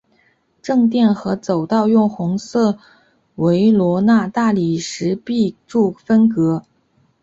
正殿和走道用红色维罗纳大理石壁柱分隔。